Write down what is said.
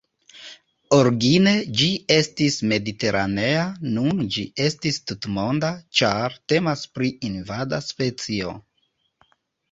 Origine ĝi estis mediteranea, nun ĝi estis tutmonda, ĉar temas pri invada specio.